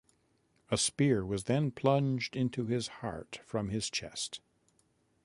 A spear was then plunged into his heart from his chest.